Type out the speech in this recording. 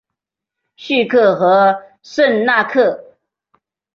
叙克和圣纳克。